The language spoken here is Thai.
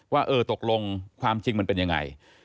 ว่าเออตกลงความจริงมันเป็นยังไง